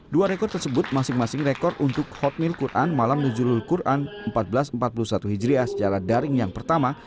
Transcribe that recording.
dua rekor tersebut masing masing rekor untuk khotmil quran malam nuzulul quran seribu empat ratus empat puluh satu hijriah secara daring yang pertama